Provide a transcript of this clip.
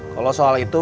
kalau soal itu